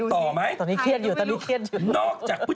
ตอนนี้เครียดอยู่